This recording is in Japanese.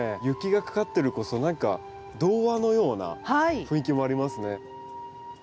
雪がかかってる何か童話のような雰囲気もありますね。